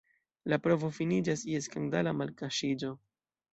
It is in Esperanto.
La provo finiĝas je skandala malkaŝiĝo.